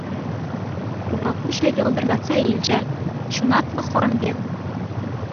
Хура куҫӗ йӑлтӑртатса илчӗ — ҫунатлӑ хӑрӑм пек.